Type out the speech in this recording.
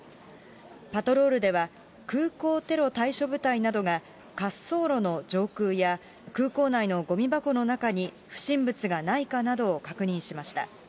パトロールでは、空港テロ対処部隊などが滑走路の上空や、空港内のごみ箱の中に不審物がないかなどを確認しました。